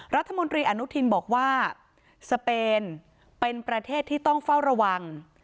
รัฐมนตรีอนุทินบอกว่าสเปนเป็นประเทศที่ต้องเฝ้าระวัง